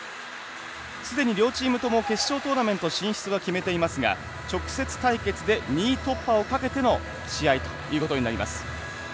すでに両チームとも決勝トーナメント進出は決めていますが直接対決で２位突破をかけての試合ということになります。